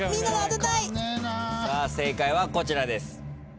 さあ正解はこちらです。